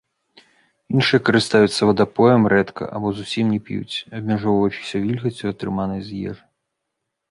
Іншыя карыстаюцца вадапоем рэдка або зусім не п'юць, абмяжоўваючыся вільгаццю, атрыманай з ежы.